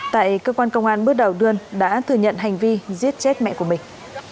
tại cơ quan công an bước đầu đưaơn đã thừa nhận hành vi giết chết mẹ của mình